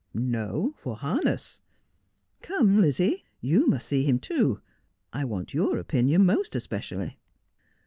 ' No, for harness. Come, Lizzie, you must see him too. I want your opinion most especially.'